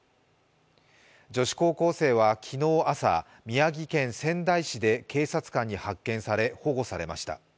女子高校生は昨日朝、宮城県仙台市で警察官に発見され、保護されました。